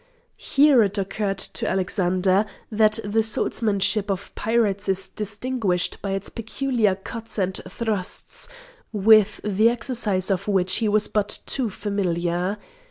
Here it occurred to Alexander that the swordsmanship of pirates is distinguished by its peculiar cuts and thrusts, with the exercise of which he was but too familiar.